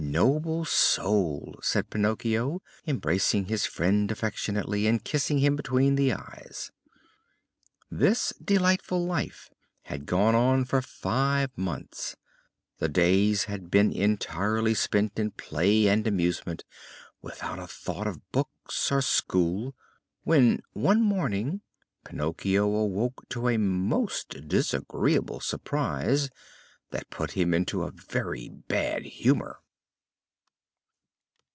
"Noble soul!" said Pinocchio, embracing his friend affectionately and kissing him between the eyes. This delightful life had gone on for five months. The days had been entirely spent in play and amusement, without a thought of books or school, when one morning Pinocchio awoke to a most disagreeable surprise that put him into a very bad humor.